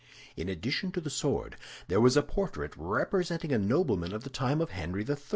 In addition to the sword, there was a portrait representing a nobleman of the time of Henry III.